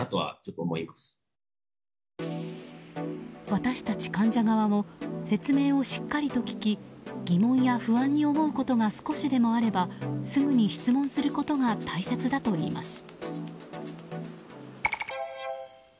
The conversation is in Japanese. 私たち患者側も説明をしっかりと聞き疑問や不安に思うことが少しでもあればすぐに質問することが大切だといいます。